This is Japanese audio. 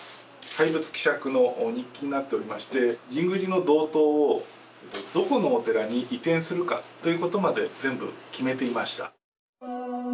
廃仏毀釈の日記になっておりまして神宮寺の塔堂をどこのお寺に移転するかということまで全部決めていました。